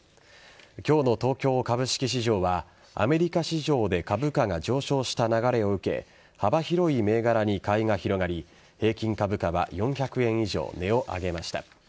今日の東京株式市場はアメリカ市場で株価が上昇した流れを受け幅広い銘柄に買いが広がり平均株価は４００円以上値を上げました。